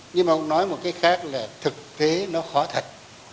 nhưng mà ông nói một cái khác là thực tế nó khó thật